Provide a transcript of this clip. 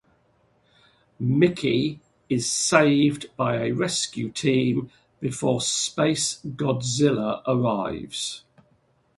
Miki is saved by a rescue team before SpaceGodzilla arrives.